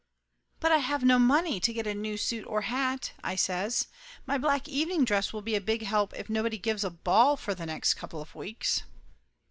"But I have no money to get a new suit or hat!" I says. "My black evening dress will be a big help if nobody gives a ball for the next couple of weeks